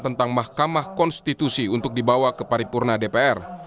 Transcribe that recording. tentang mahkamah konstitusi untuk dibawa ke paripurna dpr